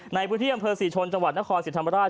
ในบุธีอำเภอศรีชนจังหวัดนครศิษย์ธรรมราช